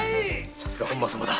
さすが本間様だ。